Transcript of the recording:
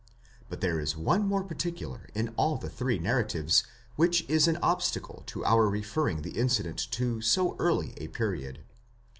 5 But there is one particular in all the three natratives which is an obstacle to our referring the incident to so early a period.